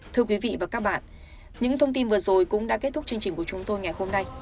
thưa quý vị và các bạn những thông tin vừa rồi cũng đã kết thúc chương trình của chúng tôi ngày hôm nay